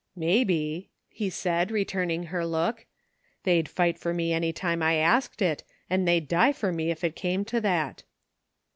'* Maybe," he said, returning her look. " They'd fight for me any time I asked it ; and they'd die for me if it came to that."